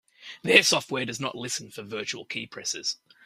Their software does not listen for virtual keypresses.